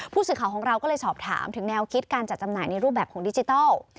ผู้สื่อข่าวของเราก็เลยสอบถามถึงแนวคิดการจัดจำหน่ายในรูปแบบของดิจิทัล